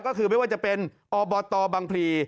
ก็คือไม่ว่าจะเป็นอบตบังพลี